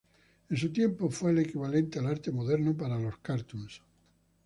En su tiempo fue el equivalente al arte moderno para los "cartoons".